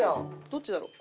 どっちだろう？